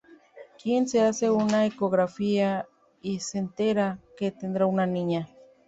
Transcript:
Quinn se hace una ecografía y se entera que tendrá una niña.